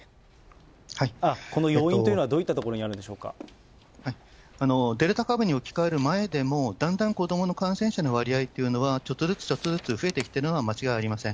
この要因というのはどういったとデルタ株に置き換わる前でも、だんだん子どもの感染者の割合っていうのは、ちょっとずつちょっとずつ増えてきているのは間違いありません。